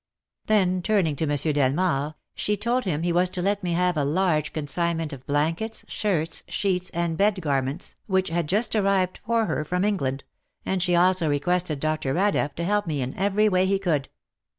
Then turning to Monsieur Delmard, she told him he was to let me have a large consignment of blankets, shirts, sheets and bed garments which had just arrived for her from England, and she also requested Dr. Radeff to help me in every way he could.